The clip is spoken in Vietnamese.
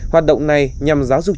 hoạt động này nhằm giáo dục